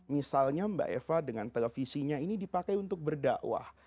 misalnya mbak eva dengan televisinya ini dipakai untuk berdakwah